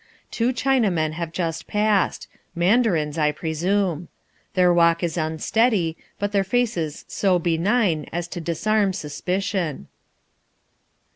Two Chinamen have just passed mandarins, I presume. Their walk was unsteady, but their faces so benign as to disarm suspicion."